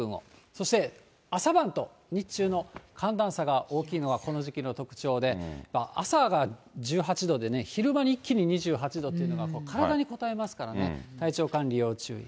そして朝晩と日中の寒暖差が大きいのはこの時期の特徴で、朝が１８度でね、昼間に一気に２８度っていうのは、体にこたえますからね、体調管理要注意。